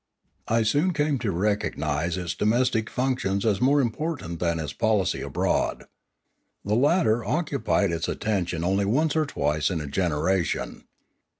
I soon came to recognise its domestic functions as more im portant than its policy abroad. The latter occupied its attention only once or twice in a generation.